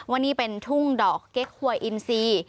ว่านี่เป็นทุ่งดอกเก๊กหวยอินซี